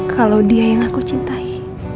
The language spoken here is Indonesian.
kalau dia yang aku cintai